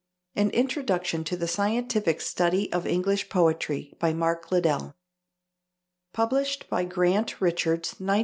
"AN INTRODUCTION TO THE SCIENTIFIC STUDY OF ENGLISH POETRY," by MARK LIDDELL. _Published by Grant Richards (1902).